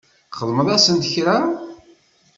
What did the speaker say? Txdem-asent kra?